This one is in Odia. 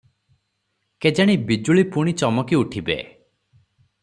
କେଜାଣି ବିଜୁଳି ପୁଣି ଚମକି ଉଠିବେ ।